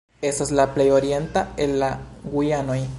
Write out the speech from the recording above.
Estas la plej orienta el la Gujanoj.